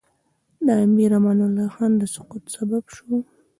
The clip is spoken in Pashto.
د امیر امان الله خان د سقوط سبب شو.